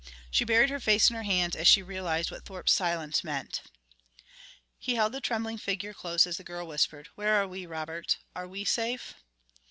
She buried her face in her hands as she realized what Thorpe's silence meant. He held the trembling figure close as the girl whispered: "Where are we, Robert? Are we safe?"